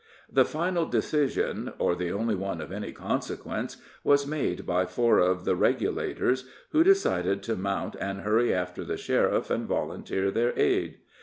The final decision or the only one of any consequence was made by four of the "regulators," who decided to mount and hurry after the sheriff and volunteer their aid.